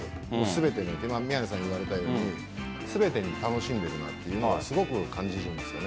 全てにおいて宮根さんが言われたように全てに楽しんでいるのがすごく感じるんです。